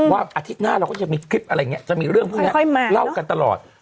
อาทิตย์หน้าเราก็จะมีคลิปอะไรอย่างนี้จะมีเรื่องพวกนี้เล่ากันตลอด